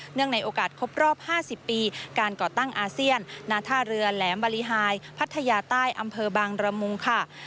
ในโอกาสครบรอบ๕๐ปีการก่อตั้งอาเซียนหน้าท่าเรือแหลมบริหายพัทยาใต้อำเภอบางระมุงค่ะ